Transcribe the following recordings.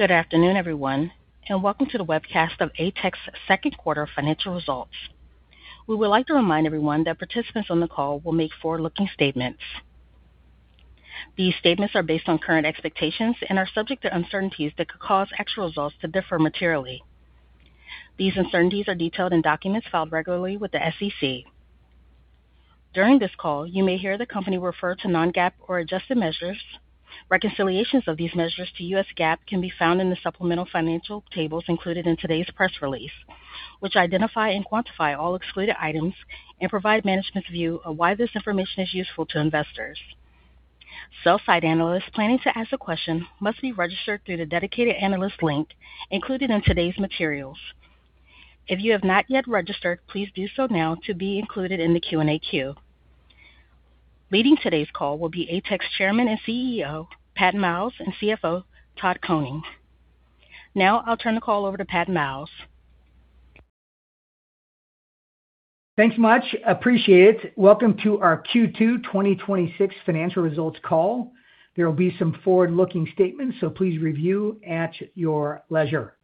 Good afternoon, everyone, welcome to the webcast of ATEC's second quarter financial results. We would like to remind everyone that participants on the call will make forward-looking statements. These statements are based on current expectations and are subject to uncertainties that could cause actual results to differ materially. These uncertainties are detailed in documents filed regularly with the SEC. During this call, you may hear the company refer to non-GAAP or adjusted measures. Reconciliations of these measures to U.S. GAAP can be found in the supplemental financial tables included in today's press release, which identify and quantify all excluded items and provide management's view of why this information is useful to investors. Sell-side analysts planning to ask a question must be registered through the dedicated analyst link included in today's materials. If you have not yet registered, please do so now to be included in the Q&A queue. Leading today's call will be ATEC's Chairman and CEO, Pat Miles, and CFO, Todd Koning. Now I'll turn the call over to Pat Miles. Thanks much. Appreciate it. Welcome to our Q2 2026 financial results call. There will be some forward-looking statements, so please review at your leisure.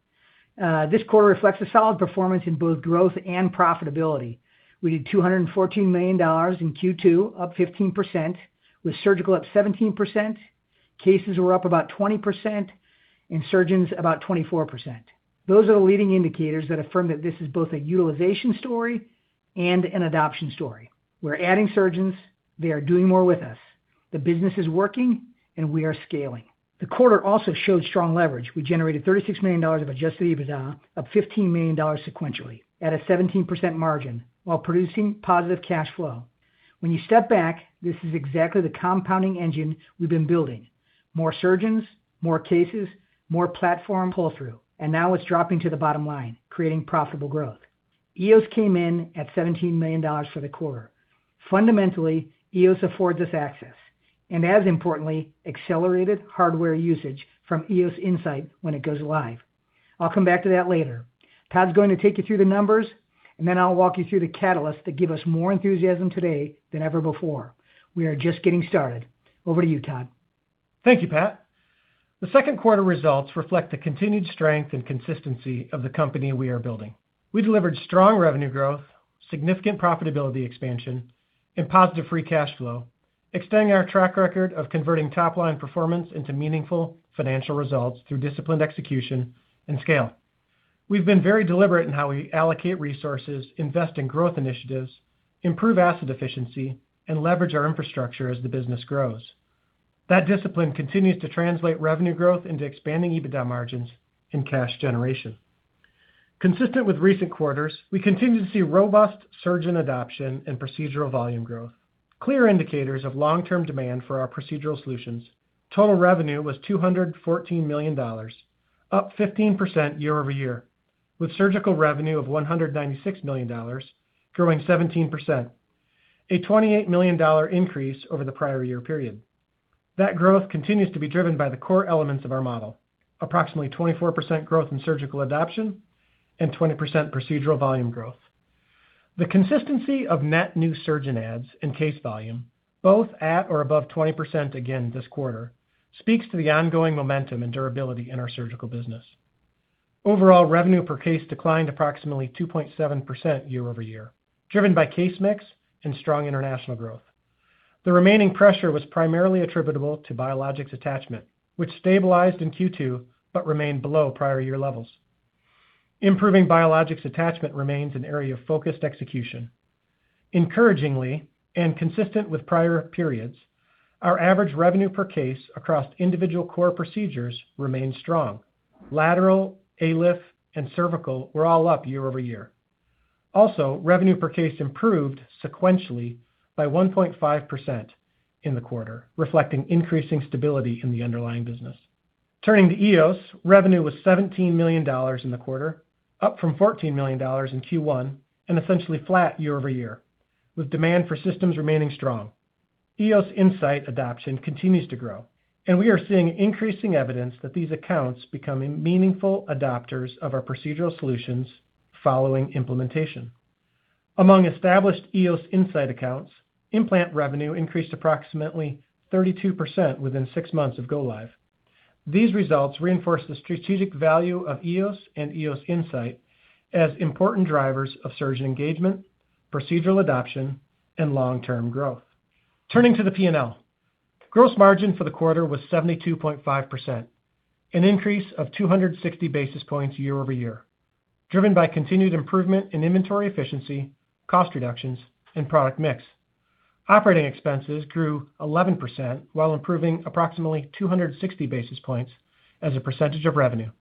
This quarter reflects a solid performance in both growth and profitability. We did $214 million in Q2, up 15%, with surgical up 17%. Cases were up about 20% and surgeons about 24%. Those are the leading indicators that affirm that this is both a utilization story and an adoption story. We're adding surgeons. They are doing more with us. The business is working, and we are scaling. The quarter also showed strong leverage. We generated $36 million of adjusted EBITDA, up $15 million sequentially at a 17% margin while producing positive cash flow. When you step back, this is exactly the compounding engine we've been building. More surgeons, more cases, more platform pull-through, and now it's dropping to the bottom line, creating profitable growth. EOS came in at $17 million for the quarter. Fundamentally, EOS affords us access, and as importantly, accelerated hardware usage from EOS Insight when it goes live. I'll come back to that later. Todd's going to take you through the numbers, and then I'll walk you through the catalysts that give us more enthusiasm today than ever before. We are just getting started. Over to you, Todd. Thank you, Pat. The second quarter results reflect the continued strength and consistency of the company we are building. We delivered strong revenue growth, significant profitability expansion, and positive free cash flow, extending our track record of converting top-line performance into meaningful financial results through disciplined execution and scale. We've been very deliberate in how we allocate resources, invest in growth initiatives, improve asset efficiency, and leverage our infrastructure as the business grows. That discipline continues to translate revenue growth into expanding EBITDA margins and cash generation. Consistent with recent quarters, we continue to see robust surgeon adoption and procedural volume growth, clear indicators of long-term demand for our procedural solutions. Total revenue was $214 million, up 15% year-over-year, with surgical revenue of $196 million, growing 17%, a $28 million increase over the prior year period. That growth continues to be driven by the core elements of our model. Approximately 24% growth in surgical adoption and 20% procedural volume growth. The consistency of net new surgeon adds and case volume, both at or above 20% again this quarter, speaks to the ongoing momentum and durability in our surgical business. Overall, revenue per case declined approximately 2.7% year-over-year, driven by case mix and strong international growth. The remaining pressure was primarily attributable to biologics attachment, which stabilized in Q2 but remained below prior year levels. Improving biologics attachment remains an area of focused execution. Encouragingly, consistent with prior periods, our average revenue per case across individual core procedures remained strong. Lateral, ALIF, and cervical were all up year-over-year. Revenue per case improved sequentially by 1.5% in the quarter, reflecting increasing stability in the underlying business. Turning to EOS, revenue was $17 million in the quarter, up from $14 million in Q1 and essentially flat year-over-year, with demand for systems remaining strong. EOS Insight adoption continues to grow, we are seeing increasing evidence that these accounts becoming meaningful adopters of our procedural solutions following implementation. Among established EOS Insight accounts, implant revenue increased approximately 32% within six months of go live. These results reinforce the strategic value of EOS and EOS Insight as important drivers of surgeon engagement, procedural adoption, and long-term growth. Turning to the P&L. Gross margin for the quarter was 72.5%, an increase of 260 basis points year-over-year, driven by continued improvement in inventory efficiency, cost reductions, and product mix. Operating expenses grew 11% while improving approximately 260 basis points as a percentage of revenue,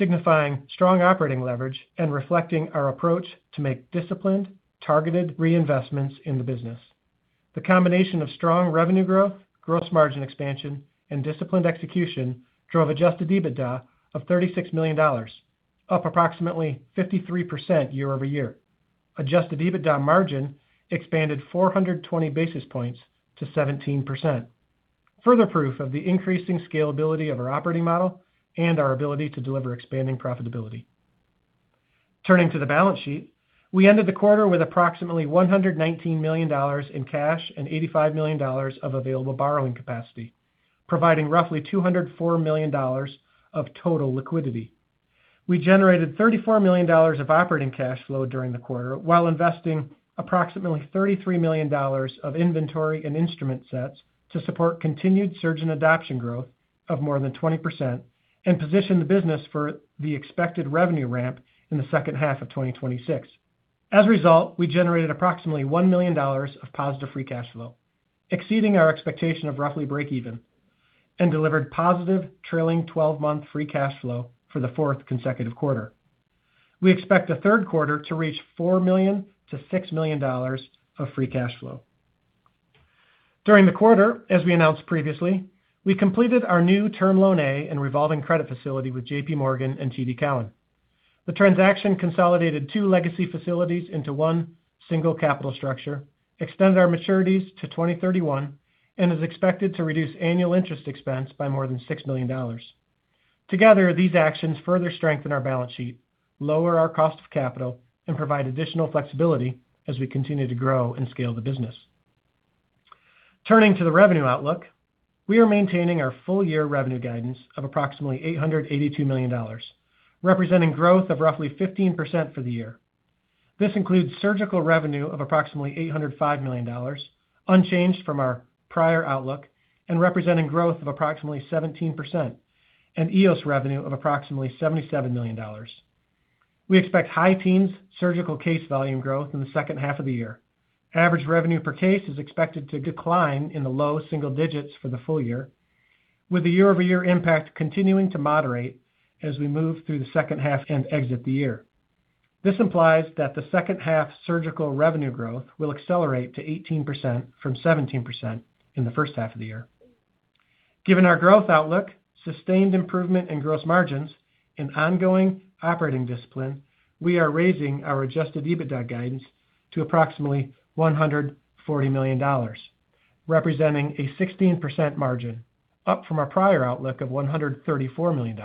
signifying strong operating leverage and reflecting our approach to make disciplined, targeted reinvestments in the business. The combination of strong revenue growth, gross margin expansion, and disciplined execution drove adjusted EBITDA of $36 million, up approximately 53% year-over-year. Adjusted EBITDA margin expanded 420 basis points to 17%, further proof of the increasing scalability of our operating model and our ability to deliver expanding profitability. Turning to the balance sheet, we ended the quarter with approximately $119 million in cash and $85 million of available borrowing capacity, providing roughly $204 million of total liquidity. We generated $34 million of operating cash flow during the quarter while investing approximately $33 million of inventory and instrument sets to support continued surgeon adoption growth of more than 20% and position the business for the expected revenue ramp in the second half of 2026. As a result, we generated approximately $1 million of positive free cash flow, exceeding our expectation of roughly breakeven, and delivered positive trailing 12-month free cash flow for the fourth consecutive quarter. We expect the third quarter to reach $4 million-$6 million of free cash flow. During the quarter, as we announced previously, we completed our new term loan A and revolving credit facility with J.P. Morgan and TD Cowen. The transaction consolidated two legacy facilities into one single capital structure, extends our maturities to 2031, and is expected to reduce annual interest expense by more than $6 million. Together, these actions further strengthen our balance sheet, lower our cost of capital, and provide additional flexibility as we continue to grow and scale the business. Turning to the revenue outlook, we are maintaining our full year revenue guidance of approximately $882 million, representing growth of roughly 15% for the year. This includes surgical revenue of approximately $805 million, unchanged from our prior outlook and representing growth of approximately 17%, and EOS revenue of approximately $77 million. We expect high teens surgical case volume growth in the second half of the year. Average revenue per case is expected to decline in the low single digits for the full year, with the year-over-year impact continuing to moderate as we move through the second half and exit the year. This implies that the second half surgical revenue growth will accelerate to 18% from 17% in the first half of the year. Given our growth outlook, sustained improvement in gross margins, and ongoing operating discipline, we are raising our adjusted EBITDA guidance to approximately $140 million, representing a 16% margin, up from our prior outlook of $134 million.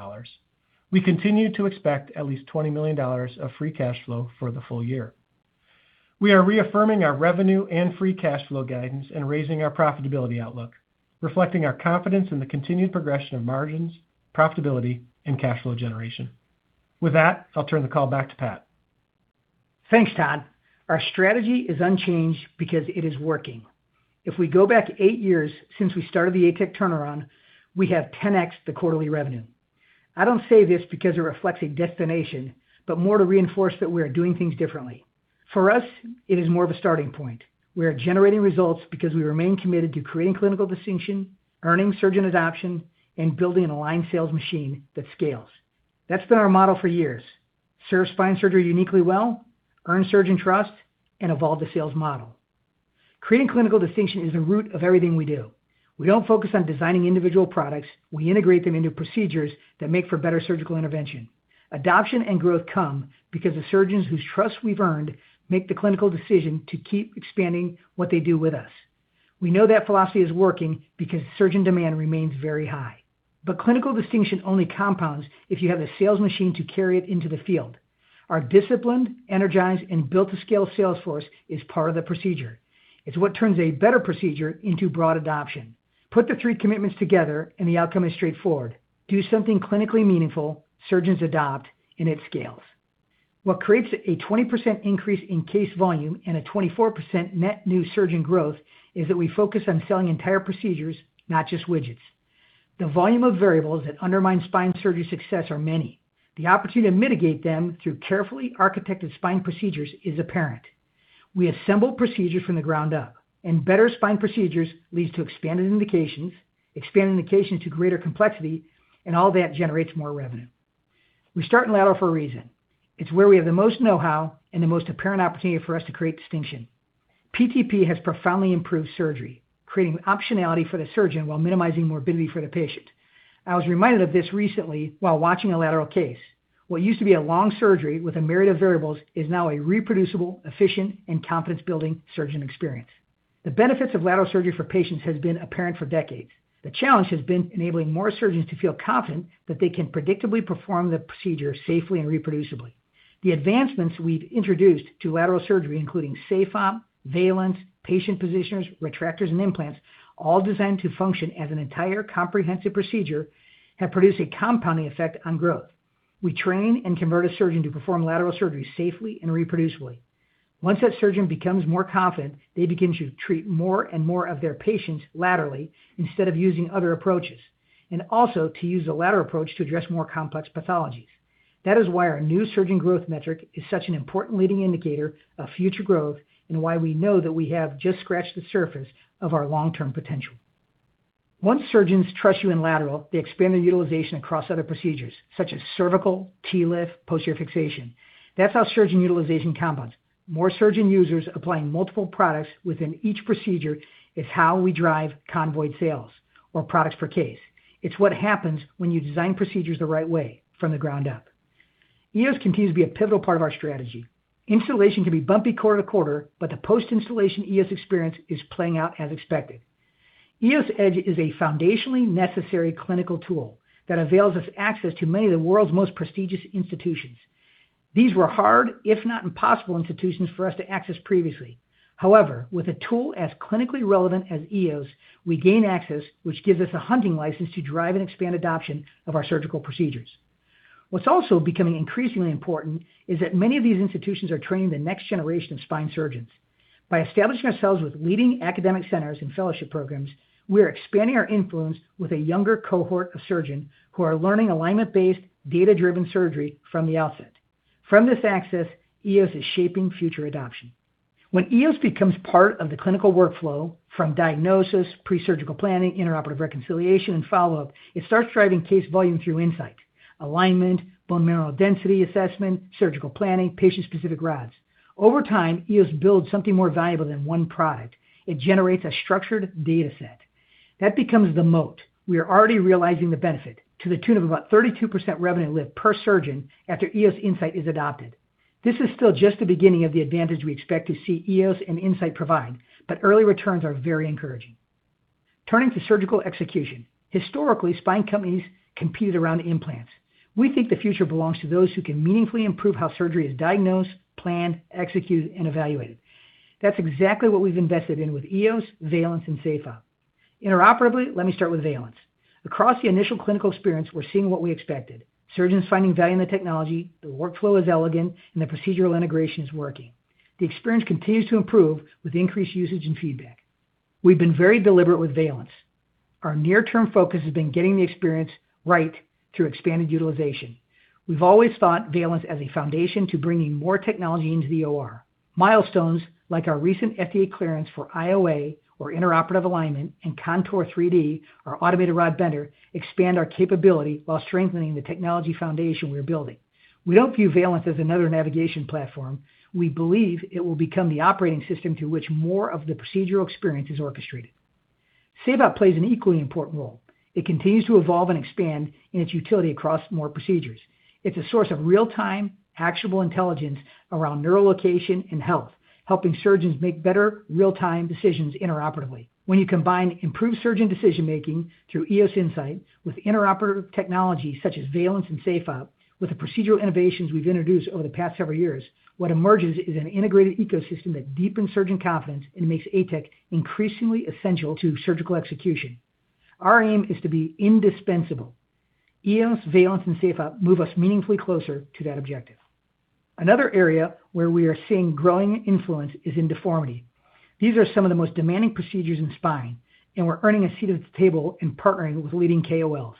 We continue to expect at least $20 million of free cash flow for the full year. We are reaffirming our revenue and free cash flow guidance and raising our profitability outlook, reflecting our confidence in the continued progression of margins, profitability, and cash flow generation. With that, I'll turn the call back to Pat. Thanks, Todd. Our strategy is unchanged because it is working. If we go back eight years since we started the ATEC turnaround, we have 10Xed the quarterly revenue. I don't say this because it reflects a destination, but more to reinforce that we are doing things differently. For us, it is more of a starting point. We are generating results because we remain committed to creating clinical distinction, earning surgeon adoption, and building an aligned sales machine that scales. That's been our model for years. Serve spine surgery uniquely well, earn surgeon trust, and evolve the sales model. Creating clinical distinction is the root of everything we do. We don't focus on designing individual products. We integrate them into procedures that make for better surgical intervention. Adoption and growth come because the surgeons whose trust we've earned make the clinical decision to keep expanding what they do with us. We know that philosophy is working because surgeon demand remains very high. But clinical distinction only compounds if you have a sales machine to carry it into the field. Our disciplined, energized, and built to scale sales force is part of the procedure. It's what turns a better procedure into broad adoption. Put the three commitments together and the outcome is straightforward. Do something clinically meaningful, surgeons adopt, and it scales. What creates a 20% increase in case volume and a 24% net new surgeon growth is that we focus on selling entire procedures, not just widgets. The volume of variables that undermine spine surgery success are many. The opportunity to mitigate them through carefully architected spine procedures is apparent. We assemble procedures from the ground up, and better spine procedures leads to expanded indications, expanded indications to greater complexity, and all that generates more revenue. We start in lateral for a reason. It's where we have the most know-how and the most apparent opportunity for us to create distinction. PTP has profoundly improved surgery, creating optionality for the surgeon while minimizing morbidity for the patient. I was reminded of this recently while watching a lateral case. What used to be a long surgery with a myriad of variables is now a reproducible, efficient, and confidence-building surgeon experience. The benefits of lateral surgery for patients has been apparent for decades. The challenge has been enabling more surgeons to feel confident that they can predictably perform the procedure safely and reproducibly. The advancements we've introduced to lateral surgery, including SafeOp, Valence, patient positioners, retractors, and implants, all designed to function as an entire comprehensive procedure, have produced a compounding effect on growth. We train and convert a surgeon to perform lateral surgery safely and reproducibly. Once that surgeon becomes more confident, they begin to treat more and more of their patients laterally instead of using other approaches, and also to use the lateral approach to address more complex pathologies. That is why our new surgeon growth metric is such an important leading indicator of future growth and why we know that we have just scratched the surface of our long-term potential. Once surgeons trust you in lateral, they expand their utilization across other procedures, such as cervical, TLIF, posterior fixation. That's how surgeon utilization compounds. More surgeon users applying multiple products within each procedure is how we drive convoyed sales or products per case. It's what happens when you design procedures the right way, from the ground up. EOS continues to be a pivotal part of our strategy. Installation can be bumpy quarter to quarter, but the post-installation EOS experience is playing out as expected. EOSedge is a foundationally necessary clinical tool that avails us access to many of the world's most prestigious institutions. These were hard, if not impossible, institutions for us to access previously. However, with a tool as clinically relevant as EOS, we gain access, which gives us a hunting license to drive and expand adoption of our surgical procedures. What's also becoming increasingly important is that many of these institutions are training the next generation of spine surgeons. By establishing ourselves with leading academic centers and fellowship programs, we are expanding our influence with a younger cohort of surgeons who are learning alignment-based, data-driven surgery from the outset. From this access, EOS is shaping future adoption. When EOS becomes part of the clinical workflow from diagnosis, pre-surgical planning, intraoperative reconciliation, and follow-up, it starts driving case volume through insight, alignment, bone mineral density assessment, surgical planning, patient-specific rods. Over time, EOS builds something more valuable than one product. It generates a structured data set. That becomes the moat. We are already realizing the benefit to the tune of about 32% revenue lift per surgeon after EOS Insight is adopted. This is still just the beginning of the advantage we expect to see EOS and Insight provide, early returns are very encouraging. Turning to surgical execution. Historically, spine companies competed around implants. We think the future belongs to those who can meaningfully improve how surgery is diagnosed, planned, executed, and evaluated. That's exactly what we've invested in with EOS, Valence, and SafeOp. Intraoperatively, let me start with Valence. Across the initial clinical experience, we're seeing what we expected. Surgeons finding value in the technology, the workflow is elegant, and the procedural integration is working. The experience continues to improve with increased usage and feedback. We've been very deliberate with Valence. Our near-term focus has been getting the experience right through expanded utilization. We've always thought Valence as a foundation to bringing more technology into the OR. Milestones like our recent FDA clearance for IOA, or intraoperative alignment, and Contour 3D, our automated rod bender, expand our capability while strengthening the technology foundation we are building. We don't view Valence as another navigation platform. We believe it will become the operating system to which more of the procedural experience is orchestrated. SafeOp plays an equally important role. It continues to evolve and expand in its utility across more procedures. It's a source of real-time, actionable intelligence around neural location and health, helping surgeons make better real-time decisions intraoperatively. When you combine improved surgeon decision-making through EOS Insight with intraoperative technology such as Valence and SafeOp with the procedural innovations we've introduced over the past several years, what emerges is an integrated ecosystem that deepens surgeon confidence and makes ATEC increasingly essential to surgical execution. Our aim is to be indispensable. EOS, Valence, and SafeOp move us meaningfully closer to that objective. Another area where we are seeing growing influence is in deformity. These are some of the most demanding procedures in spine, we're earning a seat at the table in partnering with leading KOLs.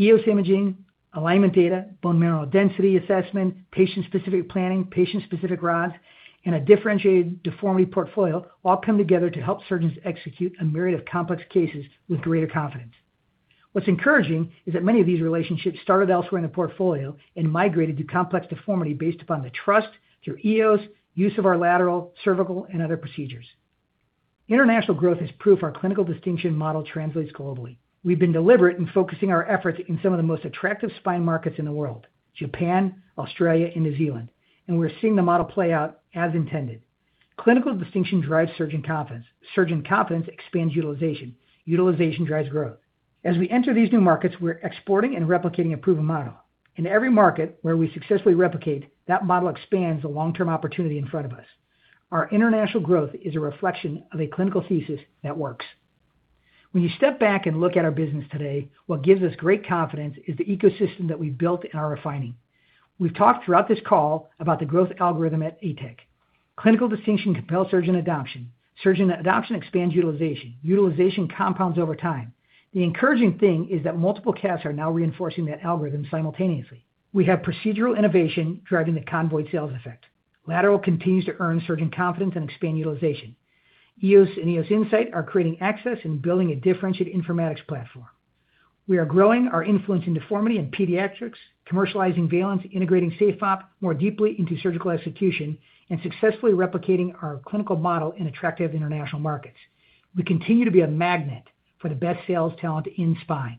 EOS imaging, alignment data, bone mineral density assessment, patient-specific planning, patient-specific rods, and a differentiated deformity portfolio all come together to help surgeons execute a myriad of complex cases with greater confidence. What's encouraging is that many of these relationships started elsewhere in the portfolio and migrated to complex deformity based upon the trust through EOS, use of our lateral, cervical, and other procedures. International growth is proof our clinical distinction model translates globally. We've been deliberate in focusing our efforts in some of the most attractive spine markets in the world, Japan, Australia, and New Zealand, we're seeing the model play out as intended. Clinical distinction drives surgeon confidence. Surgeon confidence expands utilization. Utilization drives growth. As we enter these new markets, we're exporting and replicating a proven model. In every market where we successfully replicate, that model expands the long-term opportunity in front of us. Our international growth is a reflection of a clinical thesis that works. When you step back and look at our business today, what gives us great confidence is the ecosystem that we've built and are refining. We've talked throughout this call about the growth algorithm at ATEC. Clinical distinction compels surgeon adoption. Surgeon adoption expands utilization. Utilization compounds over time. The encouraging thing is that multiple catalysts are now reinforcing that algorithm simultaneously. We have procedural innovation driving the convoyed sales effect. Lateral continues to earn surgeon confidence and expand utilization. EOS and EOS Insight are creating access and building a differentiated informatics platform. We are growing our influence in deformity and pediatrics, commercializing Valence, integrating SafeOp more deeply into surgical execution, and successfully replicating our clinical model in attractive international markets. We continue to be a magnet for the best sales talent in spine.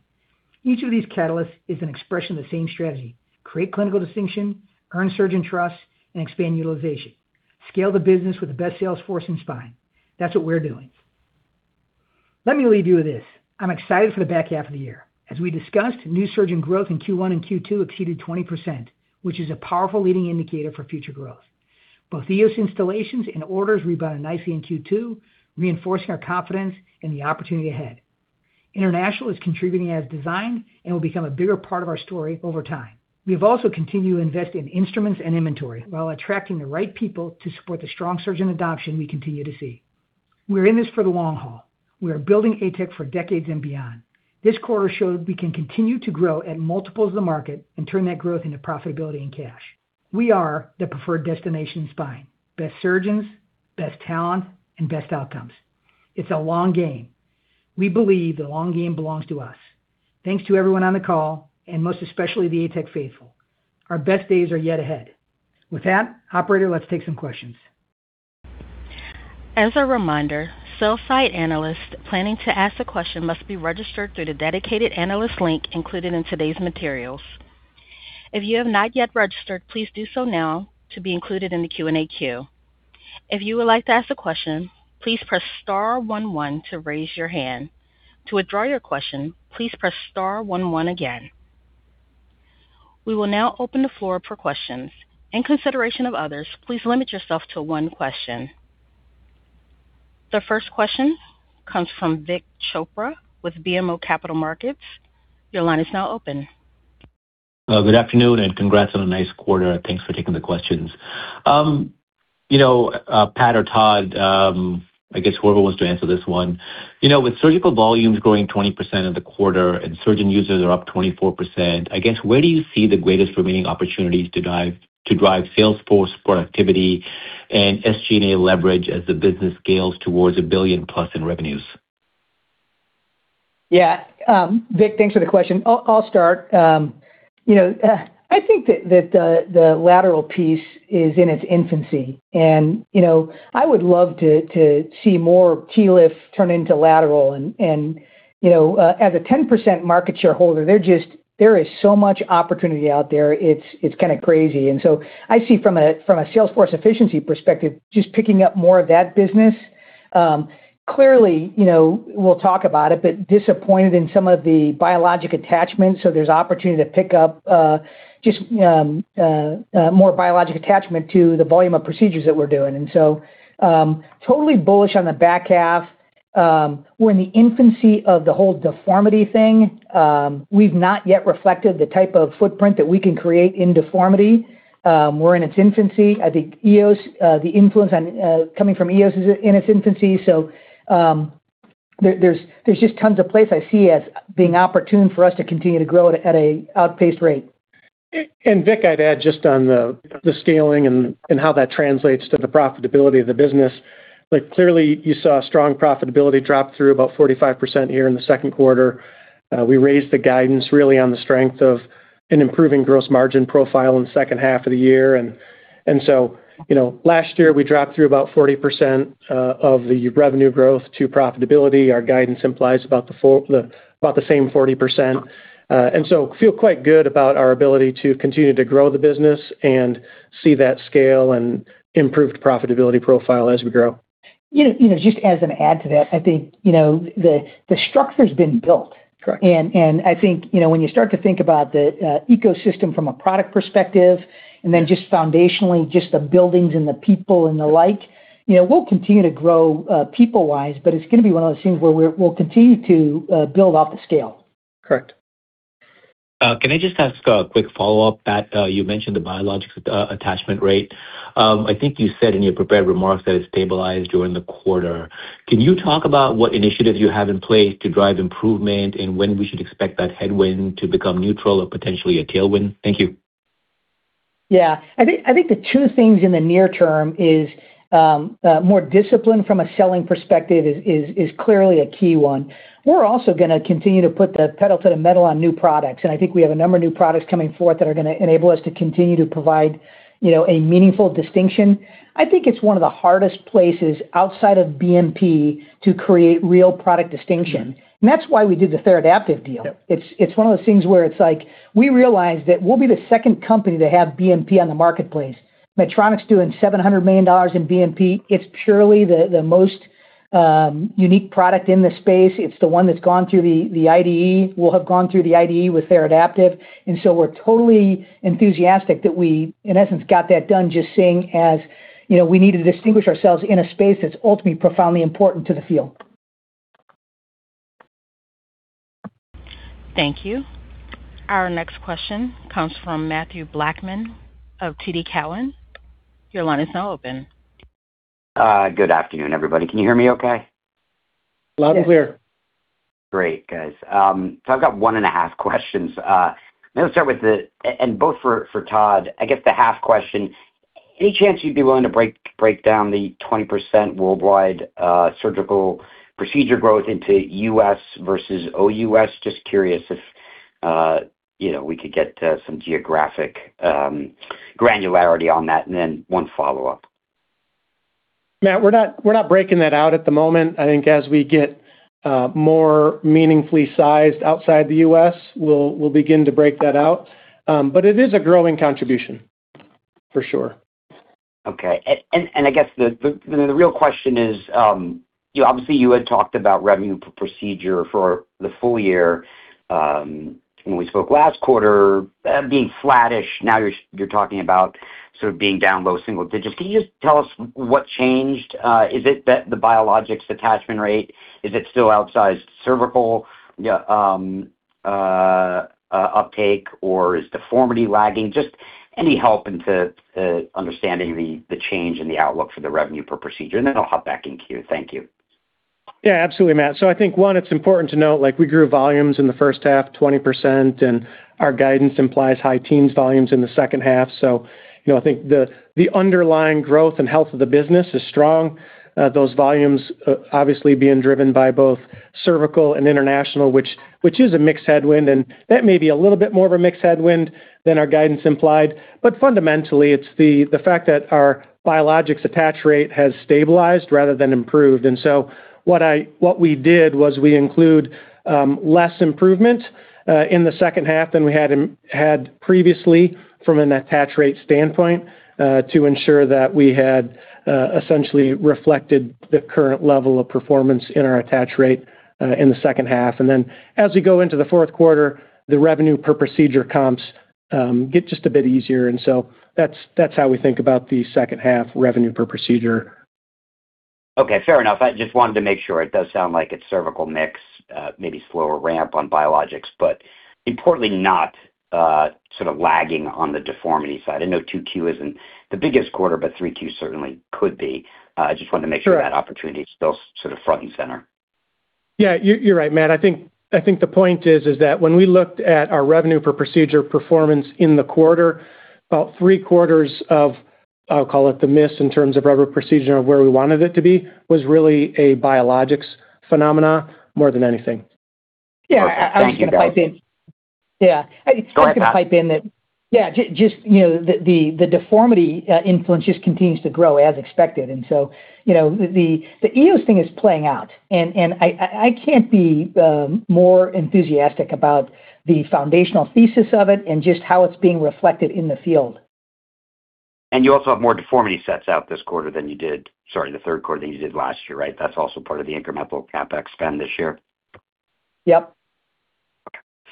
Each of these catalysts is an expression of the same strategy, create clinical distinction, earn surgeon trust, and expand utilization. Scale the business with the best sales force in spine. That's what we're doing. Let me leave you with this. I'm excited for the back half of the year. As we discussed, new surgeon growth in Q1 and Q2 exceeded 20%, which is a powerful leading indicator for future growth. Both EOS installations and orders rebounded nicely in Q2, reinforcing our confidence in the opportunity ahead. International is contributing as designed and will become a bigger part of our story over time. We have also continued to invest in instruments and inventory while attracting the right people to support the strong surgeon adoption we continue to see. We are in this for the long haul. We are building ATEC for decades and beyond. This quarter showed we can continue to grow at multiples of the market and turn that growth into profitability and cash. We are the preferred destination in spine. Best surgeons, best talent, and best outcomes. It's a long game. We believe the long game belongs to us. Thanks to everyone on the call, and most especially the ATEC faithful. Our best days are yet ahead. With that, operator, let's take some questions. As a reminder, sell-side analysts planning to ask a question must be registered through the dedicated analyst link included in today's materials. If you have not yet registered, please do so now to be included in the Q&A queue. If you would like to ask a question, please press star 11 to raise your hand. To withdraw your question, please press star 11 again. We will now open the floor for questions. In consideration of others, please limit yourself to one question. The first question comes from Vik Chopra with BMO Capital Markets. Your line is now open. Good afternoon, and congrats on a nice quarter, and thanks for taking the questions. Pat or Todd, I guess whoever wants to answer this one. With surgical volumes growing 20% in the quarter and surgeon users are up 24%, I guess, where do you see the greatest remaining opportunities to drive sales force productivity and SG&A leverage as the business scales towards a billion plus in revenues? Yeah. Vik, thanks for the question. I'll start. I think that the lateral piece is in its infancy. I would love to see more TLIF turn into lateral. As a 10% market share holder, there is so much opportunity out there, it's kind of crazy. I see from a sales force efficiency perspective, just picking up more of that business. Clearly, we'll talk about it, but disappointed in some of the biologic attachments. There's opportunity to pick up just more biologic attachment to the volume of procedures that we're doing. Totally bullish on the back half. We're in the infancy of the whole deformity thing. We've not yet reflected the type of footprint that we can create in deformity. We're in its infancy. I think the influence coming from EOS is in its infancy. There's just tons of places I see as being opportune for us to continue to grow at an outpaced rate. Vik, I'd add just on the scaling and how that translates to the profitability of the business. Clearly, you saw strong profitability drop through about 45% here in the second quarter. We raised the guidance really on the strength of an improving gross margin profile in the second half of the year. Last year, we dropped through about 40% of the revenue growth to profitability. Our guidance implies about the same 40%. Feel quite good about our ability to continue to grow the business and see that scale and improved profitability profile as we grow. Just as an add to that, I think, the structure's been built. Correct. I think, when you start to think about the ecosystem from a product perspective. Yeah Then just foundationally, just the buildings and the people and the like. We'll continue to grow people-wise, but it's going to be one of those things where we'll continue to build up the scale. Correct. Can I just ask a quick follow-up, Pat? You mentioned the biologics attachment rate. I think you said in your prepared remarks that it stabilized during the quarter. Can you talk about what initiatives you have in place to drive improvement and when we should expect that headwind to become neutral or potentially a tailwind? Thank you. Yeah. I think the two things in the near term is more discipline from a selling perspective is clearly a key one. We're also going to continue to put the pedal to the metal on new products, and I think we have a number of new products coming forth that are going to enable us to continue to provide a meaningful distinction. I think it's one of the hardest places outside of BMP to create real product distinction. That's why we did the TheraCell deal. Yep. It's one of those things where it's like, we realize that we'll be the second company to have BMP on the marketplace. Medtronic's doing $700 million in BMP. It's purely the most unique product in this space. It's the one that's gone through the IDE. We'll have gone through the IDE with TheraCell. We're totally enthusiastic that we, in essence, got that done just seeing as we need to distinguish ourselves in a space that's ultimately profoundly important to the field. Thank you. Our next question comes from Mathew Blackman of TD Cowen. Your line is now open. Good afternoon, everybody. Can you hear me okay? Loud and clear. Yes. Great, guys. I've got one and a half questions. Maybe I'll start with the both for Todd. I guess the half question, any chance you'd be willing to break down the 20% worldwide surgical procedure growth into U.S. versus OUS? Just curious if we could get some geographic granularity on that, and then one follow-up. Matt, we're not breaking that out at the moment. I think as we get more meaningfully sized outside the U.S., we'll begin to break that out. It is a growing contribution, for sure. Okay. I guess the real question is, obviously you had talked about revenue per procedure for the full year when we spoke last quarter being flattish. Now you're talking about sort of being down low single digits. Can you just tell us what changed? Is it the biologics attachment rate? Is it still outsized cervical uptake, or is deformity lagging? Just any help into understanding the change in the outlook for the revenue per procedure, and then I'll hop back in queue. Thank you. Yeah, absolutely, Matt. I think, one, it's important to note, we grew volumes in the first half 20%, and our guidance implies high teens volumes in the second half. I think the underlying growth and health of the business is strong. Those volumes obviously being driven by both cervical and international, which is a mixed headwind, and that may be a little bit more of a mixed headwind than our guidance implied. Fundamentally, it's the fact that our biologics attach rate has stabilized rather than improved. What we did was we include less improvement in the second half than we had previously from an attach rate standpoint, to ensure that we had essentially reflected the current level of performance in our attach rate in the second half. As we go into the fourth quarter, the revenue per procedure comps get just a bit easier. That's how we think about the second half revenue per procedure. Okay. Fair enough. I just wanted to make sure. It does sound like it's cervical mix, maybe slower ramp on biologics, importantly not sort of lagging on the deformity side. I know Q2 isn't the biggest quarter, but Q3 certainly could be. I just wanted to make sure- Sure that opportunity is still sort of front and center. Yeah, you're right, Matt. I think the point is that when we looked at our revenue per procedure performance in the quarter, about three quarters of, I'll call it the miss, in terms of revenue procedure and where we wanted it to be, was really a biologics phenomena more than anything. Okay. Thank you. Got it. Yeah. I'm just going to pipe in. Go ahead, Pat. Yeah. Just the deformity influence just continues to grow as expected. The EOS thing is playing out, and I can't be more enthusiastic about the foundational thesis of it and just how it's being reflected in the field. You also have more deformity sets out this quarter than you did, sorry, the third quarter, than you did last year, right? That's also part of the incremental CapEx spend this year? Yep.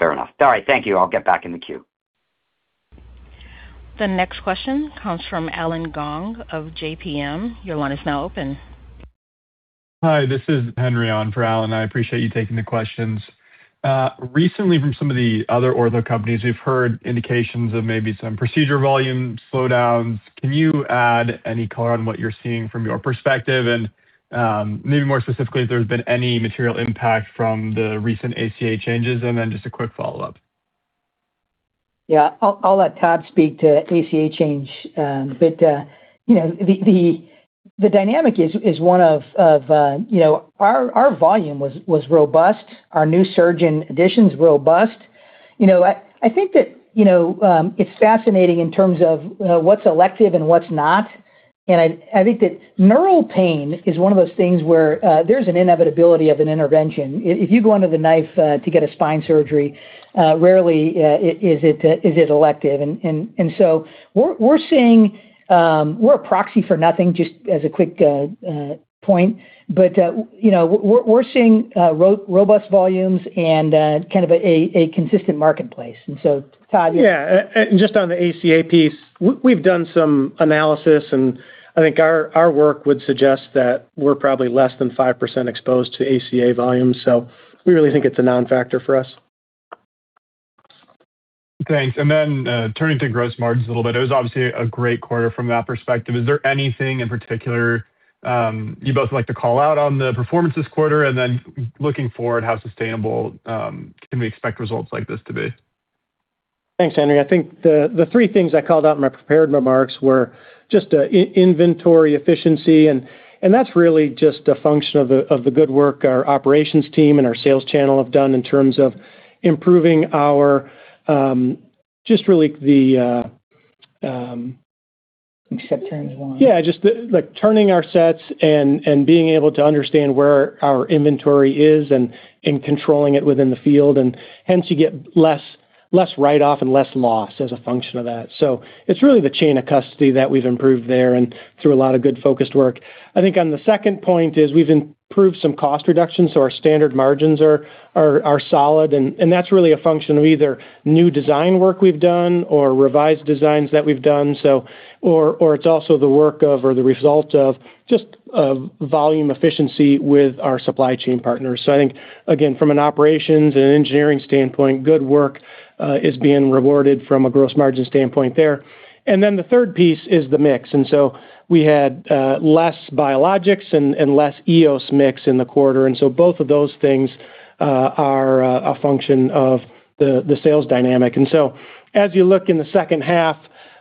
Okay. Fair enough. All right. Thank you. I'll get back in the queue. The next question comes from Allen Gong of JPM. Your line is now open. Hi, this is Henry on for Allen. I appreciate you taking the questions. Recently, from some of the other ortho companies, we've heard indications of maybe some procedure volume slowdowns. Can you add any color on what you're seeing from your perspective, and maybe more specifically, if there's been any material impact from the recent ACA changes? Just a quick follow-up. Yeah. I'll let Todd speak to ACA change. The dynamic is one of our volume was robust, our new surgeon additions, robust. I think that it's fascinating in terms of what's elective and what's not. I think that neural pain is one of those things where there's an inevitability of an intervention. If you go under the knife to get a spine surgery, rarely is it elective. We're a proxy for nothing, just as a quick point. We're seeing robust volumes and kind of a consistent marketplace. Todd, yeah. Yeah. Just on the ACA piece, we've done some analysis, and I think our work would suggest that we're probably less than 5% exposed to ACA volumes. We really think it's a non-factor for us. Thanks. Turning to gross margins a little bit, it was obviously a great quarter from that perspective. Is there anything in particular you'd both like to call out on the performance this quarter, looking forward, how sustainable can we expect results like this to be? Thanks, Henry. I think the three things I called out in my prepared remarks were just inventory efficiency, that's really just a function of the good work our operations team and our sales channel have done in terms of improving our. Set turns one yeah, just turning our sets being able to understand where our inventory is controlling it within the field, hence you get less write-off and less loss as a function of that. It's really the chain of custody that we've improved there through a lot of good focused work. I think on the second point is we've improved some cost reductions, our standard margins are solid, that's really a function of either new design work we've done or revised designs that we've done. It's also the work of or the result of just volume efficiency with our supply chain partners. I think, again, from an operations and engineering standpoint, good work is being rewarded from a gross margin standpoint there. The third piece is the mix. We had less biologics and less EOS mix in the quarter, both of those things are a function of the sales dynamic. As you look in the second half,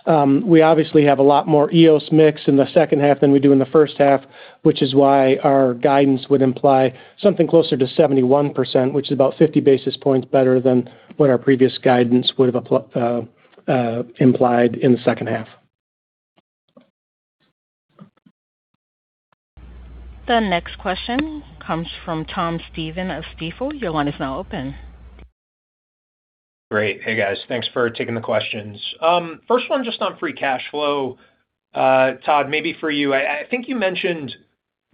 we obviously have a lot more EOS mix in the second half than we do in the first half, which is why our guidance would imply something closer to 71%, which is about 50 basis points better than what our previous guidance would've implied in the second half. The next question comes from Thomas Stephan of Stifel. Your line is now open. Great. Hey, guys. Thanks for taking the questions. First one just on free cash flow. Todd, maybe for you. I think you mentioned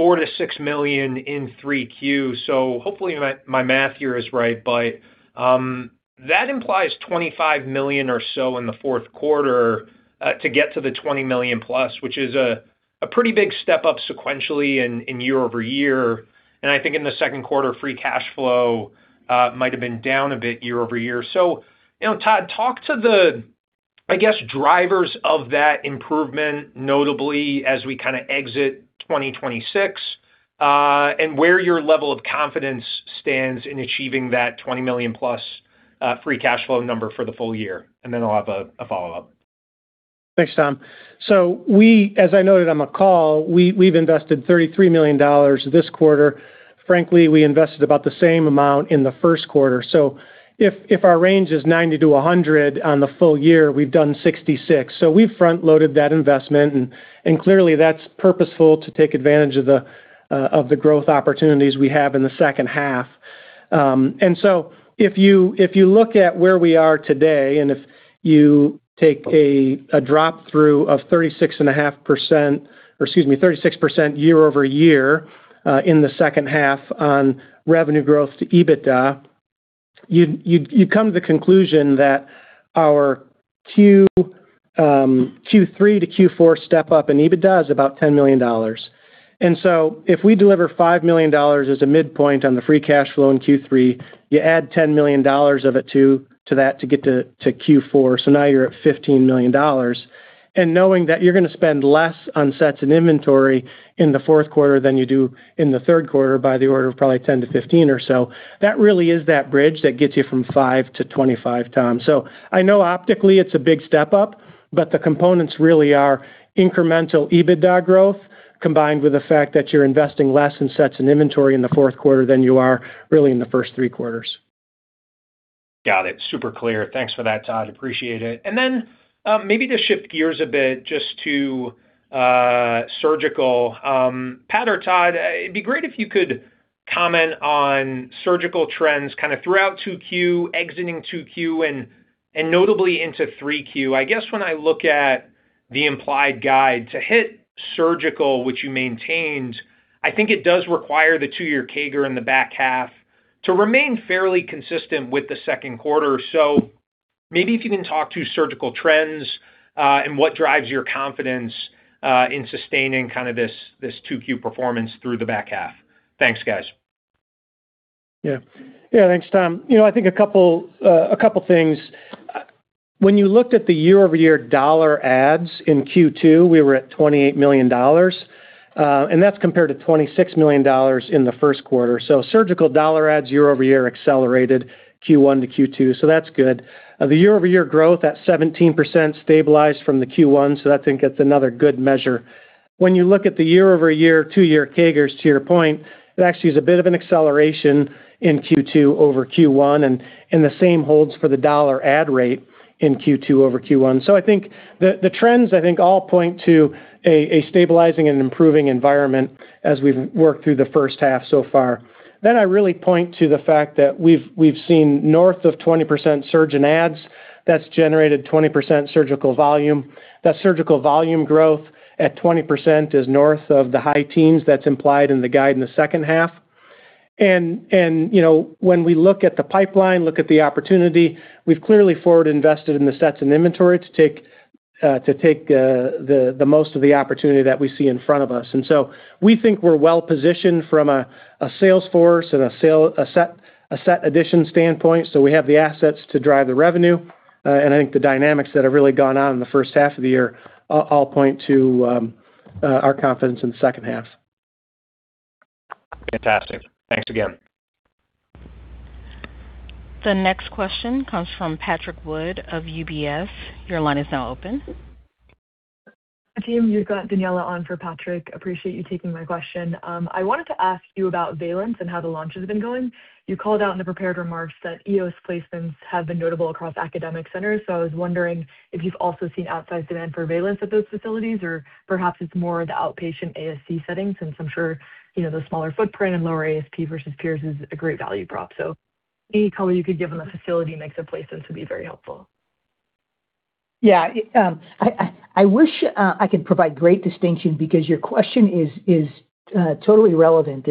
$4 million to $6 million in Q3, hopefully my math here is right, but that implies $25 million or so in the fourth quarter to get to the $20 million+, which is a pretty big step up sequentially in year-over-year. I think in the second quarter, free cash flow might have been down a bit year-over-year. Todd, talk to the, I guess, drivers of that improvement, notably as we kind of exit 2026, and where your level of confidence stands in achieving that $20 million+ free cash flow number for the full year. Then I'll have a follow-up. Thanks, Tom. We, as I noted on the call, we've invested $33 million this quarter. Frankly, we invested about the same amount in the first quarter. If our range is $90 million to $100 million on the full year, we've done $66 million. We've front-loaded that investment, and clearly that's purposeful to take advantage of the growth opportunities we have in the second half. If you look at where we are today, if you take a drop-through of 36.5%, or excuse me, 36% year-over-year in the second half on revenue growth to EBITDA, you come to the conclusion that our Q3 to Q4 step-up in EBITDA is about $10 million. If we deliver $5 million as a midpoint on the free cash flow in Q3, you add $10 million of it to that to get to Q4. Now you're at $15 million, knowing that you're going to spend less on sets and inventory in the fourth quarter than you do in the third quarter by the order of probably $10 million-$15 million or so, that really is that bridge that gets you from $5 million to $25 million, Tom. I know optically it's a big step up, but the components really are incremental EBITDA growth, combined with the fact that you're investing less in sets and inventory in the fourth quarter than you are really in the first three quarters. Got it. Super clear. Thanks for that, Todd. Appreciate it. Maybe to shift gears a bit just to surgical. Pat or Todd, it'd be great if you could comment on surgical trends throughout 2Q, exiting 2Q, and notably into 3Q. I guess when I look at the implied guide to hit surgical, which you maintained, I think it does require the two-year CAGR in the back half to remain fairly consistent with the second quarter. Maybe if you can talk to surgical trends, and what drives your confidence in sustaining this 2Q performance through the back half. Thanks, guys. Yeah. Thanks, Tom. I think a couple things. When you looked at the year-over-year dollar adds in 2Q, we were at $28 million, and that's compared to $26 million in the first quarter. Surgical dollar adds year-over-year accelerated Q1 to 2Q, so that's good. The year-over-year growth at 17% stabilized from the Q1, so that, I think, is another good measure. When you look at the year-over-year two-year CAGRs, to your point, it actually is a bit of an acceleration in 2Q over Q1, and the same holds for the dollar add rate in 2Q over Q1. I think the trends all point to a stabilizing and improving environment as we've worked through the first half so far. I really point to the fact that we've seen north of 20% surgeon adds. That's generated 20% surgical volume. That surgical volume growth at 20% is north of the high teens that's implied in the guide in the second half. When we look at the pipeline, look at the opportunity, we've clearly forward invested in the sets and inventory to take the most of the opportunity that we see in front of us. We think we're well-positioned from a sales force and a set addition standpoint. We have the assets to drive the revenue. I think the dynamics that have really gone on in the first half of the year all point to our confidence in the second half. Fantastic. Thanks again. The next question comes from Patrick Wood of UBS. Your line is now open. Team, you've got Daniella on for Patrick. Appreciate you taking my question. I wanted to ask you about VALENCE and how the launch has been going. I was wondering if you've also seen outsized demand for VALENCE at those facilities, or perhaps it's more the outpatient ASC setting since I'm sure the smaller footprint and lower ASP versus peers is a great value prop. Any color you could give on the facility mix of placements would be very helpful. Yeah. I wish I could provide great distinction because your question is totally relevant.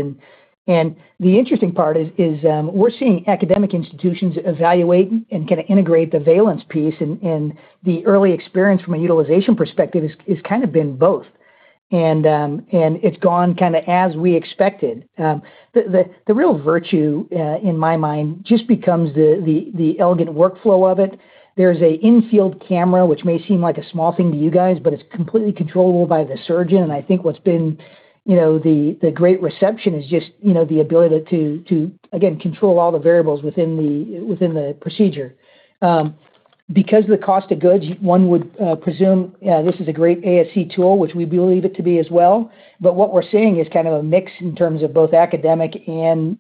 The interesting part is we're seeing academic institutions evaluate and integrate the VALENCE piece, and the early experience from a utilization perspective has kind of been both. It's gone as we expected. The real virtue, in my mind, just becomes the elegant workflow of it. There's an infield camera, which may seem like a small thing to you guys, but it's completely controllable by the surgeon. I think what's been the great reception is just the ability to, again, control all the variables within the procedure. Because of the cost of goods, one would presume this is a great ASC tool, which we believe it to be as well. What we're seeing is kind of a mix in terms of both academic and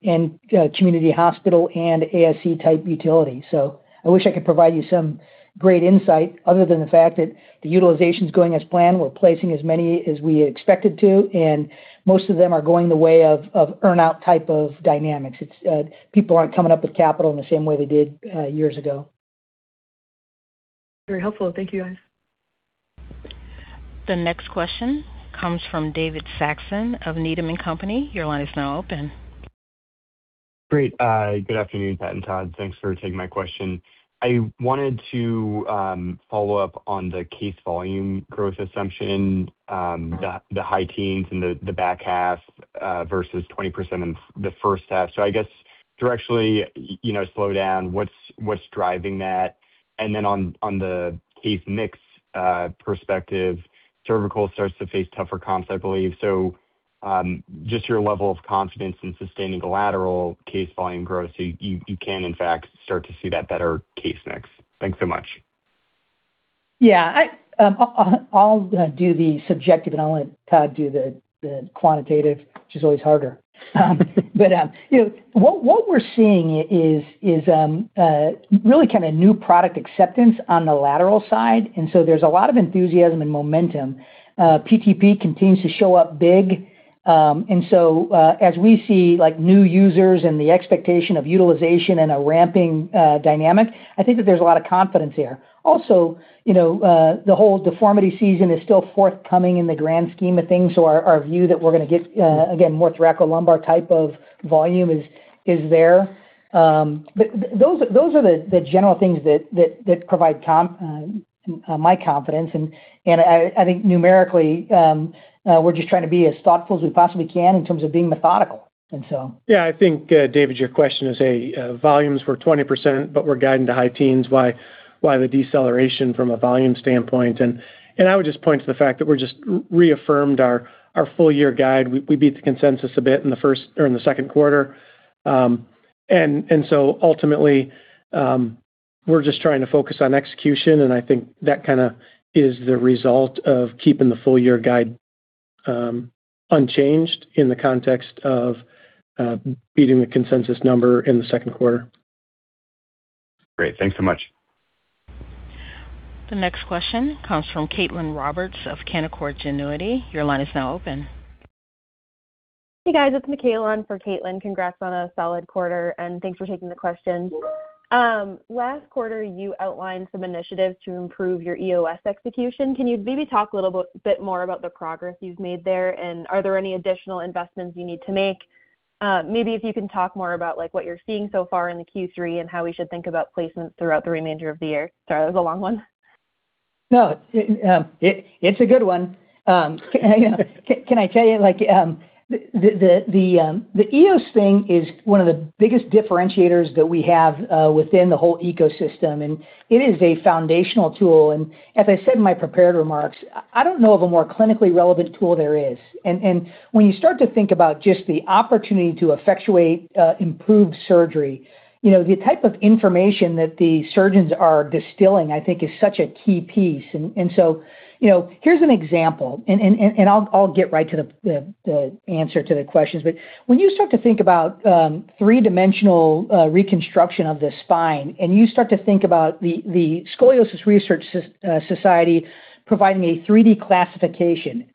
community hospital and ASC-type utility. I wish I could provide you some great insight other than the fact that the utilization's going as planned. We're placing as many as we had expected to, and most of them are going the way of earn-out type of dynamics. People aren't coming up with capital in the same way they did years ago. Very helpful. Thank you, guys. The next question comes from David Saxon of Needham & Company. Your line is now open. Great. Good afternoon, Pat and Todd. Thanks for taking my question. I wanted to follow up on the case volume growth assumption, the high teens in the back half versus 20% in the first half. I guess directionally, slow down, what's driving that? On the case mix perspective, cervical starts to face tougher comps, I believe. Just your level of confidence in sustaining the lateral case volume growth so you can in fact start to see that better case mix. Thanks so much. Yeah. I'll do the subjective. I'll let Todd do the quantitative, which is always harder. What we're seeing is really new product acceptance on the lateral side, and so there's a lot of enthusiasm and momentum. PTP continues to show up big. As we see new users and the expectation of utilization in a ramping dynamic, I think that there's a lot of confidence here. Also, the whole deformity season is still forthcoming in the grand scheme of things. Our view that we're going to get, again, more thoracolumbar type of volume is there. Those are the general things that provide my confidence. I think numerically, we're just trying to be as thoughtful as we possibly can in terms of being methodical. Yeah. I think, David, your question is, "Volumes were 20%, but we're guiding to high teens. Why the deceleration from a volume standpoint?" I would just point to the fact that we're just reaffirmed our full-year guide. We beat the consensus a bit in the second quarter. Ultimately, we're just trying to focus on execution, and I think that is the result of keeping the full-year guide unchanged in the context of beating the consensus number in the second quarter. Great. Thanks so much. The next question comes from Caitlin Roberts of Canaccord Genuity. Your line is now open. Hey, guys. It's Mikaela on for Caitlin. Congrats on a solid quarter, and thanks for taking the question. Last quarter, you outlined some initiatives to improve your EOS execution. Can you maybe talk a little bit more about the progress you've made there? Are there any additional investments you need to make? Maybe if you can talk more about what you're seeing so far into Q3 and how we should think about placements throughout the remainder of the year. Sorry, that was a long one. No, it's a good one. Can I tell you, the EOS thing is one of the biggest differentiators that we have within the whole ecosystem, and it is a foundational tool. As I said in my prepared remarks, I don't know of a more clinically relevant tool there is. When you start to think about just the opportunity to effectuate improved surgery, the type of information that the surgeons are distilling, I think, is such a key piece. Here's an example, and I'll get right to the answer to the questions. When you start to think about three-dimensional reconstruction of the spine and you start to think about the Scoliosis Research Society providing a 3D classification,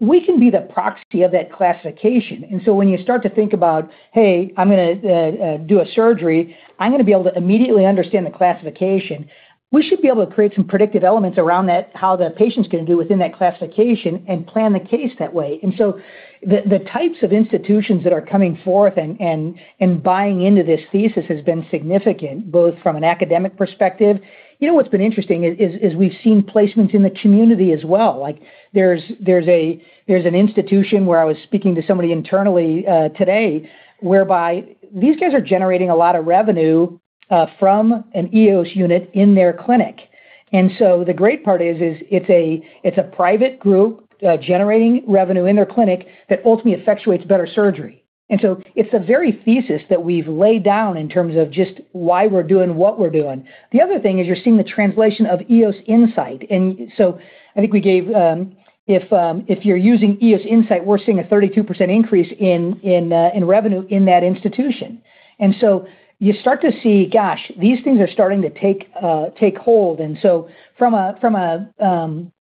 we can be the proxy of that classification. When you start to think about, "Hey, I'm going to do a surgery. I'm going to be able to immediately understand the classification," we should be able to create some predictive elements around that, how the patient's going to do within that classification and plan the case that way. The types of institutions that are coming forth and buying into this thesis has been significant, both from an academic perspective. You know what's been interesting is we've seen placements in the community as well. There's an institution where I was speaking to somebody internally, today, whereby these guys are generating a lot of revenue from an EOS unit in their clinic. The great part is, it's a private group generating revenue in their clinic that ultimately effectuates better surgery. It's the very thesis that we've laid down in terms of just why we're doing what we're doing. The other thing is you're seeing the translation of EOS Insight. I think we gave, if you're using EOS Insight, we're seeing a 32% increase in revenue in that institution. You start to see, gosh, these things are starting to take hold. From an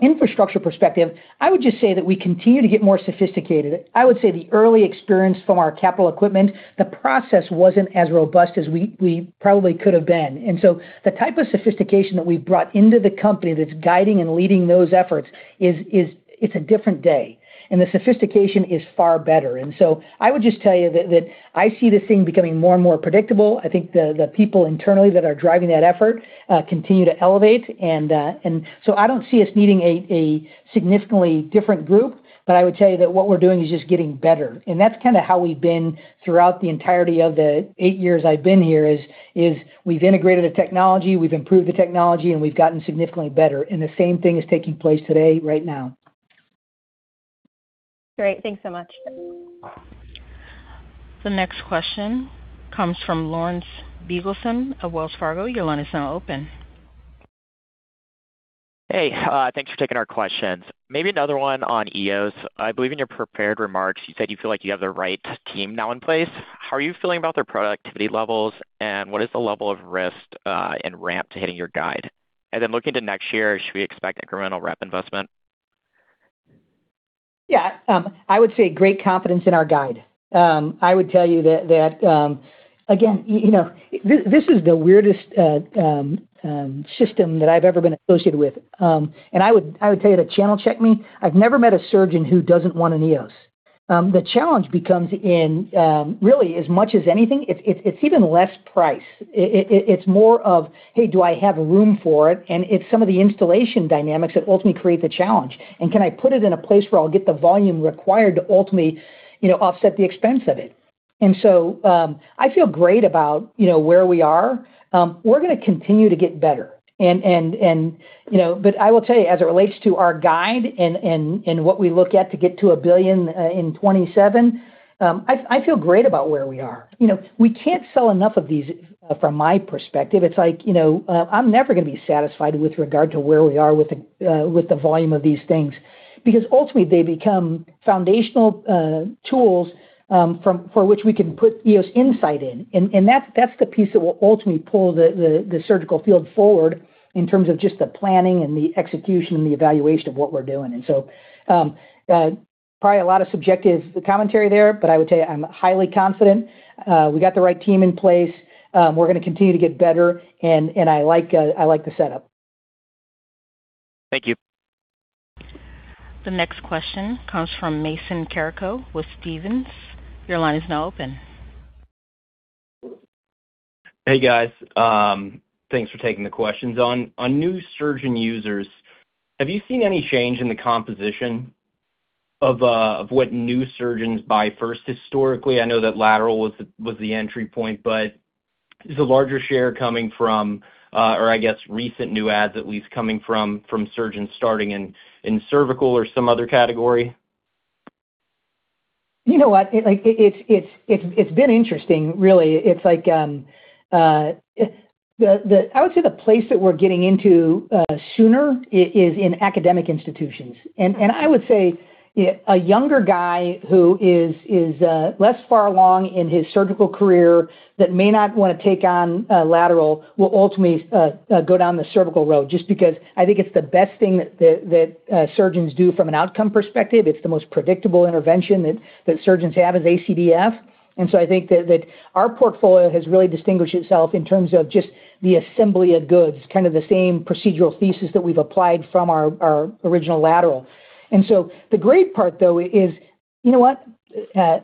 infrastructure perspective, I would just say that we continue to get more sophisticated. I would say the early experience from our capital equipment, the process wasn't as robust as we probably could have been. The type of sophistication that we've brought into the company that's guiding and leading those efforts, it's a different day, and the sophistication is far better. I would just tell you that I see this thing becoming more and more predictable. I think the people internally that are driving that effort continue to elevate. I don't see us needing a significantly different group, but I would tell you that what we're doing is just getting better. That's kind of how we've been throughout the entirety of the eight years I've been here, is we've integrated the technology, we've improved the technology, and we've gotten significantly better, and the same thing is taking place today right now. Great. Thanks so much. The next question comes from Lawrence Biegelsen of Wells Fargo. Your line is now open. Hey. Thanks for taking our questions. Maybe another one on EOS. I believe in your prepared remarks, you said you feel like you have the right team now in place. How are you feeling about their productivity levels, and what is the level of risk, and ramp to hitting your guide? Looking to next year, should we expect incremental rep investment? Yeah. I would say great confidence in our guide. I would tell you that, again, this is the weirdest system that I've ever been associated with. I would tell you to channel check me. I've never met a surgeon who doesn't want an EOS. The challenge becomes in, really as much as anything, it's even less price. It's more of, "Hey, do I have room for it?" It's some of the installation dynamics that ultimately create the challenge. "Can I put it in a place where I'll get the volume required to ultimately offset the expense of it?" I feel great about where we are. We're going to continue to get better. I will tell you, as it relates to our guide and what we look at to get to $1 billion in 2027, I feel great about where we are. We can't sell enough of these, from my perspective. It's like, I'm never going to be satisfied with regard to where we are with the volume of these things, because ultimately, they become foundational tools for which we can put EOS Insight in. That's the piece that will ultimately pull the surgical field forward in terms of just the planning and the execution and the evaluation of what we're doing. Probably a lot of subjective commentary there, but I would say I'm highly confident. We got the right team in place. We're going to continue to get better, and I like the setup. Thank you. The next question comes from Mason Carrico with Stephens. Your line is now open. Hey guys. Thanks for taking the questions. On new surgeon users, have you seen any change in the composition of what new surgeons buy first historically? I know that lateral was the entry point, is a larger share coming from, or I guess recent new adds at least coming from surgeons starting in cervical or some other category? You know what? It's been interesting really. I would say the place that we're getting into sooner is in academic institutions. I would say a younger guy who is less far along in his surgical career that may not want to take on lateral will ultimately go down the cervical road, just because I think it's the best thing that surgeons do from an outcome perspective. It's the most predictable intervention that surgeons have is ACDF. I think that our portfolio has really distinguished itself in terms of just the assembly of goods, kind of the same procedural thesis that we've applied from our original lateral. The great part though is, you know what?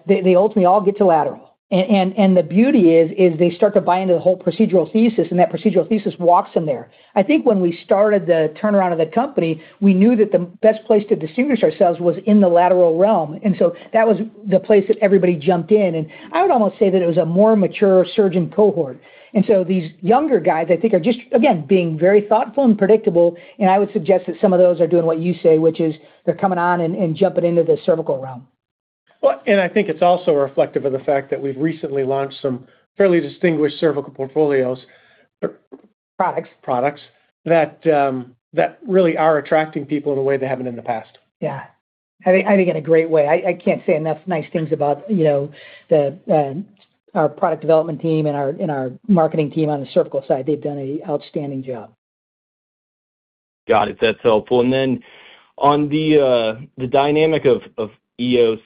They ultimately all get to lateral, and the beauty is they start to buy into the whole procedural thesis, and that procedural thesis walks them there. I think when we started the turnaround of the company, we knew that the best place to distinguish ourselves was in the lateral realm. That was the place that everybody jumped in, and I would almost say that it was a more mature surgeon cohort. These younger guys, I think are just, again, being very thoughtful and predictable, and I would suggest that some of those are doing what you say, which is they're coming on and jumping into the cervical realm. Well, I think it's also reflective of the fact that we've recently launched some fairly distinguished cervical portfolios- Products products that really are attracting people in a way they haven't in the past. Yeah. I think in a great way. I can't say enough nice things about our product development team and our marketing team on the cervical side. They've done an outstanding job. Got it. That's helpful. Then on the dynamic of EOS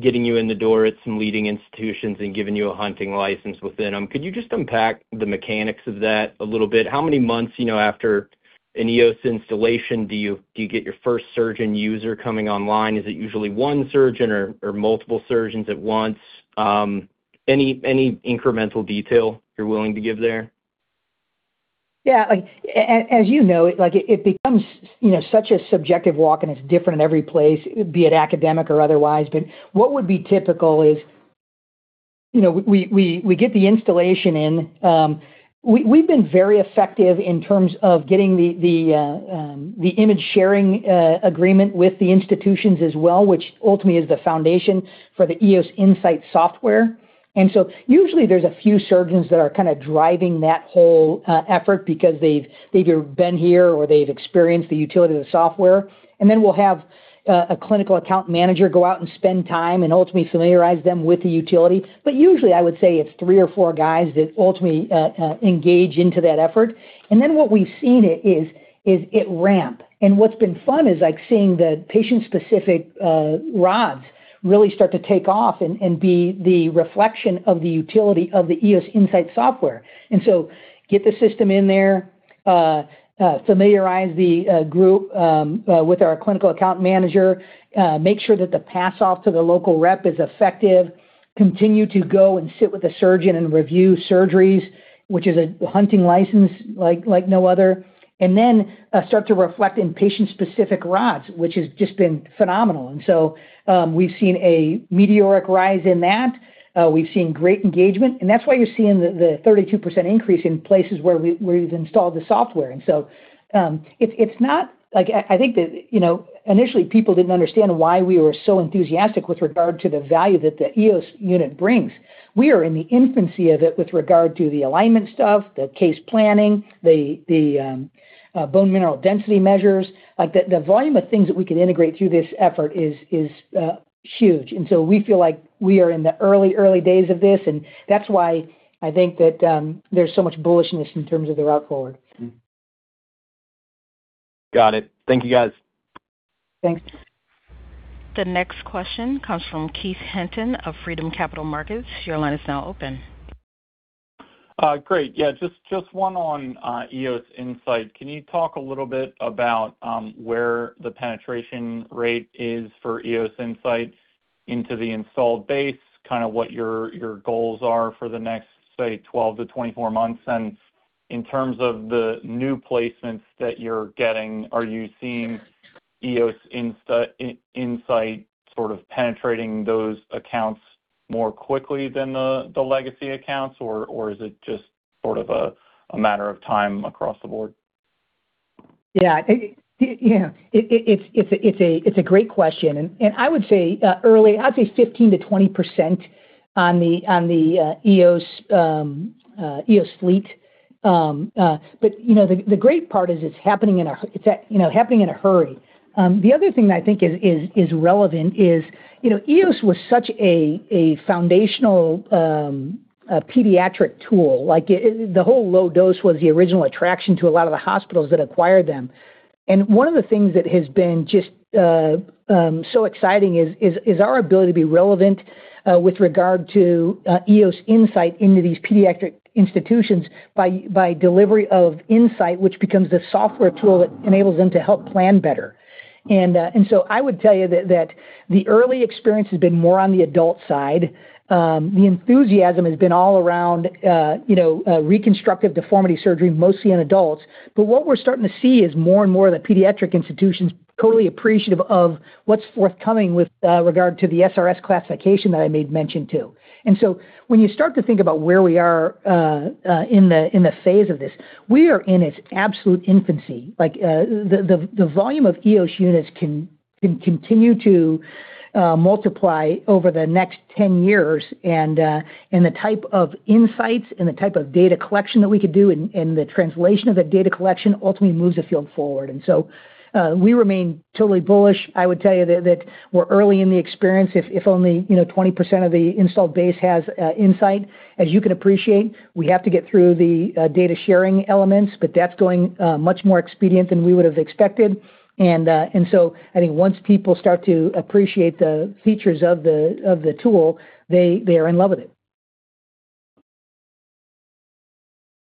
getting you in the door at some leading institutions and giving you a hunting license within them, could you just unpack the mechanics of that a little bit? How many months after an EOS installation do you get your first surgeon user coming online? Is it usually one surgeon or multiple surgeons at once? Any incremental detail you're willing to give there? Yeah. As you know, it becomes such a subjective walk and it's different in every place, be it academic or otherwise. What would be typical is we get the installation in. We've been very effective in terms of getting the image sharing agreement with the institutions as well, which ultimately is the foundation for the EOS Insight software. Usually there's a few surgeons that are kind of driving that whole effort because they've either been here or they've experienced the utility of the software. Then we'll have a clinical account manager go out and spend time and ultimately familiarize them with the utility. Usually I would say it's three or four guys that ultimately engage into that effort. Then what we've seen is it ramp. What's been fun is like seeing the patient specific rods really start to take off and be the reflection of the utility of the EOS Insight software. Get the system in there, familiarize the group with our clinical account manager, make sure that the pass off to the local rep is effective. Continue to go and sit with the surgeon and review surgeries, which is a hunting license like no other. Then, start to reflect in patient specific rods, which has just been phenomenal. We've seen a meteoric rise in that. We've seen great engagement, and that's why you're seeing the 32% increase in places where we've installed the software. I think that initially people didn't understand why we were so enthusiastic with regard to the value that the EOS unit brings. We are in the infancy of it with regard to the alignment stuff, the case planning, the bone mineral density measures. The volume of things that we can integrate through this effort is huge. We feel like we are in the early days of this, and that's why I think that there's so much bullishness in terms of the route forward. Got it. Thank you, guys. Thanks. The next question comes from Keith Hinton of Freedom Capital Markets. Your line is now open. Great. Yeah, just one on EOS Insight. Can you talk a little bit about where the penetration rate is for EOS Insight into the installed base, kind of what your goals are for the next, say, 12 to 24 months? In terms of the new placements that you're getting, are you seeing EOS Insight sort of penetrating those accounts more quickly than the legacy accounts, or is it just sort of a matter of time across the board? Yeah. It's a great question. I would say early, I'd say 15%-20% on the EOS fleet. The great part is it's happening in a hurry. The other thing that I think is relevant is EOS was such a foundational pediatric tool. Like, the whole low dose was the original attraction to a lot of the hospitals that acquired them. One of the things that has been just so exciting is our ability to be relevant with regard to EOS Insight into these pediatric institutions by delivery of insight, which becomes the software tool that enables them to help plan better. I would tell you that the early experience has been more on the adult side. The enthusiasm has been all around reconstructive deformity surgery, mostly in adults. What we're starting to see is more and more of the pediatric institutions totally appreciative of what's forthcoming with regard to the SRS classification that I made mention to. When you start to think about where we are in the phase of this, we are in its absolute infancy. Like, the volume of EOS units can continue to multiply over the next 10 years, and the type of insights and the type of data collection that we could do and the translation of that data collection ultimately moves the field forward. We remain totally bullish. I would tell you that we're early in the experience if only 20% of the installed base has insight. As you can appreciate, we have to get through the data sharing elements, but that's going much more expedient than we would've expected. I think once people start to appreciate the features of the tool, they are in love with it.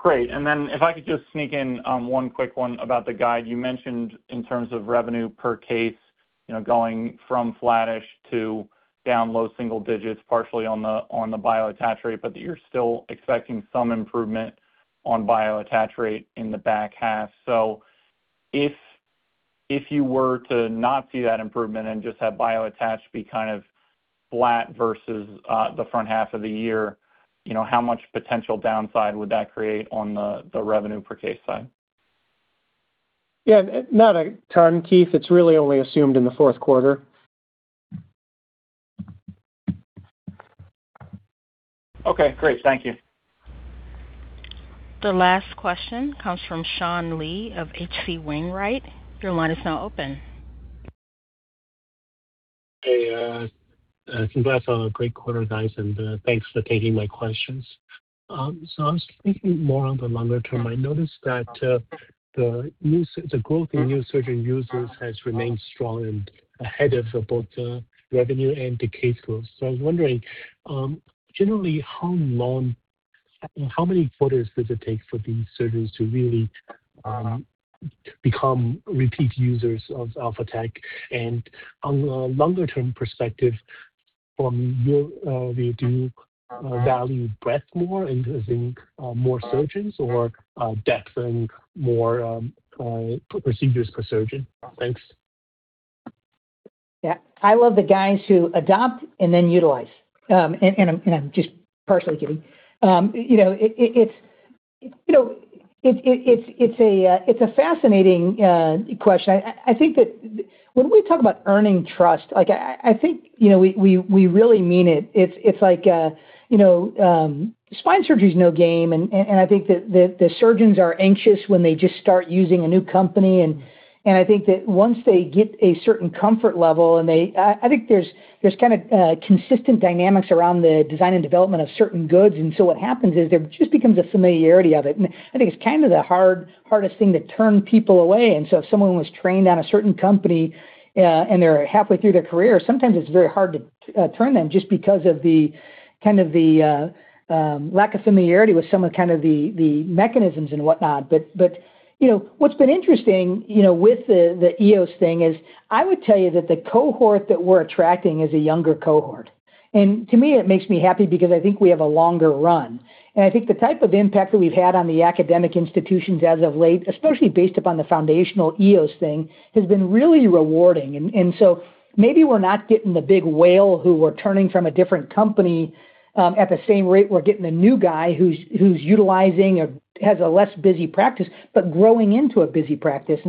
Great. If I could just sneak in one quick one about the guide. You mentioned in terms of revenue per case going from flattish to down low single digits, partially on the bio-attach rate, but that you're still expecting some improvement on bio-attach rate in the back half. If you were to not see that improvement and just have bio-attach be kind of flat versus the front half of the year, how much potential downside would that create on the revenue per case side? Yeah. Not a ton, Keith. It's really only assumed in the fourth quarter. Okay, great. Thank you. The last question comes from Sean Lee of H.C. Wainwright. Your line is now open. Hey, congrats on a great quarter, guys, and thanks for taking my questions. I was thinking more on the longer term. I noticed that the growth in new surgeon users has remained strong and ahead of both the revenue and the case growth. I was wondering, generally, how many quarters does it take for these surgeons to really become repeat users of Alphatec? On a longer-term perspective, do you value breadth more in terms of more surgeons or depth and more procedures per surgeon? Thanks. Yeah. I love the guys who adopt and then utilize. I'm just partially kidding. It's a fascinating question. I think that when we talk about earning trust, I think we really mean it. Spine surgery's no game, and I think that the surgeons are anxious when they just start using a new company. I think that once they get a certain comfort level, I think there's kind of consistent dynamics around the design and development of certain goods, what happens is there just becomes a familiarity of it. I think it's kind of the hardest thing to turn people away. If someone was trained on a certain company and they're halfway through their career, sometimes it's very hard to turn them just because of the lack of familiarity with some of the mechanisms and whatnot. What's been interesting with the EOS thing is I would tell you that the cohort that we're attracting is a younger cohort. To me, it makes me happy because I think we have a longer run. I think the type of impact that we've had on the academic institutions as of late, especially based upon the foundational EOS thing, has been really rewarding. Maybe we're not getting the big whale who we're turning from a different company at the same rate we're getting a new guy who's utilizing or has a less busy practice, but growing into a busy practice.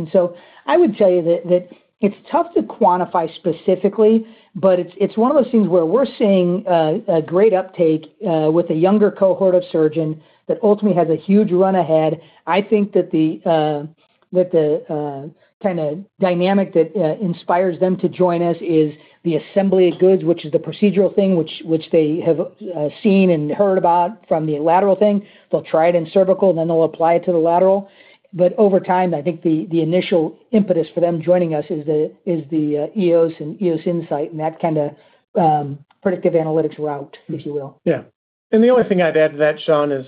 I would tell you that it's tough to quantify specifically, but it's one of those things where we're seeing a great uptake with a younger cohort of surgeon that ultimately has a huge run ahead. I think that the kind of dynamic that inspires them to join us is the assembly of goods, which is the procedural thing, which they have seen and heard about from the lateral thing. They'll try it in cervical, they'll apply it to the lateral. Over time, I think the initial impetus for them joining us is the EOS and EOS Insight and that kind of predictive analytics route, if you will. The only thing I'd add to that, Sean, is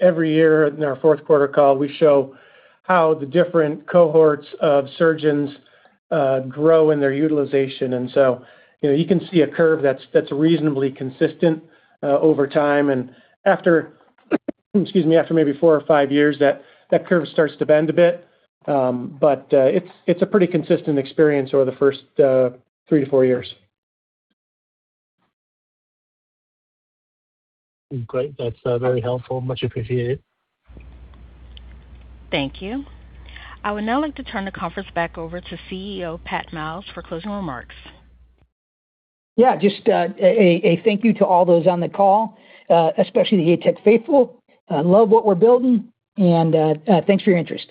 every year in our fourth quarter call, we show how the different cohorts of surgeons grow in their utilization. You can see a curve that's reasonably consistent over time. After, excuse me, after maybe four or five years, that curve starts to bend a bit. It's a pretty consistent experience over the first three to four years. Great. That's very helpful. Much appreciated. Thank you. I would now like to turn the conference back over to CEO, Pat Miles, for closing remarks. Yeah, just a thank you to all those on the call, especially the ATEC faithful. Love what we're building, thanks for your interest.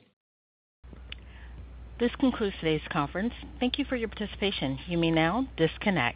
This concludes today's conference. Thank you for your participation. You may now disconnect.